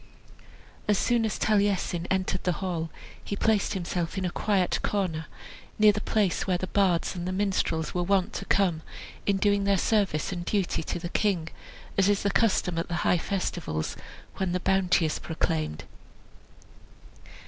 As soon as Taliesin entered the hall he placed himself in a quiet corner, near the place where the bards and the minstrels were wont to come, in doing their service and duty to the king, as is the custom at the high festivals, when the bounty is proclaimed.